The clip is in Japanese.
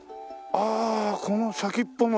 ああこの先っぽの。